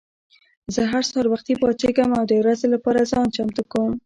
زه هر سهار وختي پاڅېږم او د ورځې لپاره ځان چمتو کوم.